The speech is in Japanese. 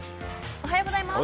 おはようございます。